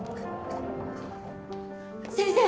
先生！